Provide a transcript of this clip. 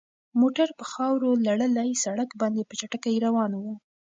موټر په خاورو لړلي سړک باندې په چټکۍ روان و.